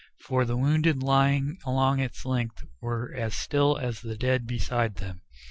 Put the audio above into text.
For the wounded lying along its length were as still as the dead beside them.